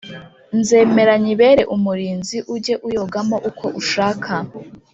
nzemera nyibere umurinzi ujye uyogamo uko ushaka